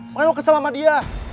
makanya lo kesel sama dia